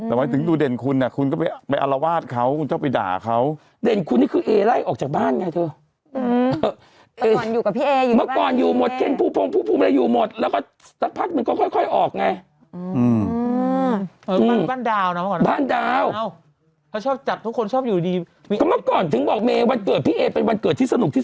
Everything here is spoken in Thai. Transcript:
อายุประมาณสัก๔๐ไม่ใช่ประมาณอะ๔๐ปีเลย